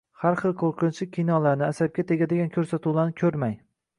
Har xil qo‘rqinchli kinolarni, asabga tegadigan ko‘rsatuvlarni ko‘rmang.